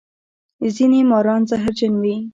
ځینې ماران زهرجن وي